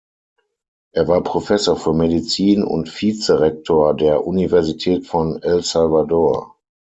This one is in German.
Er war Professor für Medizin und Vize-Rektor der Universität von El Salvador.